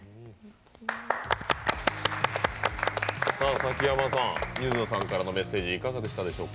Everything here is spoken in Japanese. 崎山さん、水野さんからのメッセージいかがでしたでしょうか？